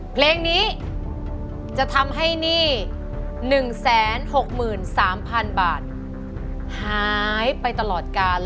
เพลงนี้จะทำให้หนี้๑๖๓๐๐๐บาทหายไปตลอดกาล